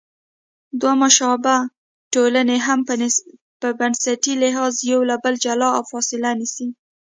دوه مشابه ټولنې هم په بنسټي لحاظ له یو بله جلا او فاصله نیسي.